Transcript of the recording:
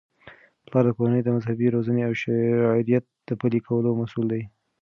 پلار د کورنی د مذهبي روزنې او د شریعت د پلي کولو مسؤل دی.